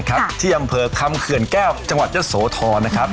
มากมายนะครับที่ยังเผลอคำเขื่อนแก้วจังหวัดเจ้าโสธรนะครับ